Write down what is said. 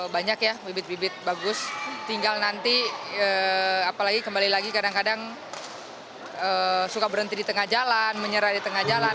banyak ya bibit bibit bagus tinggal nanti apalagi kembali lagi kadang kadang suka berhenti di tengah jalan menyerah di tengah jalan